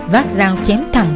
vác dao chém thẳng